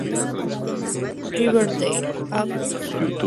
Rivadavia, Av.